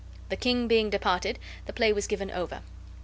The king being departed, the play was given over.